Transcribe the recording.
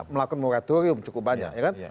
melakukan moratorium cukup banyak